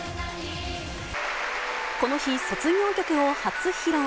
この日、卒業曲を初披露。